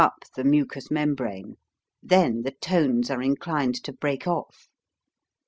FORM 63 up the mucous membrane ; then the tones are inclined to break off.